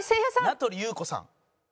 名取裕子さん。